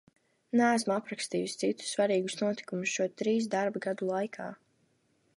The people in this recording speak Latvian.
Neesmu aprakstījis citus svarīgus notikumus, šo trīs darba gadu laikā.